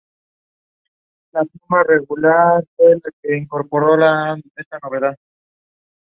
Fue un resistente antifascista, superviviente del Holocausto.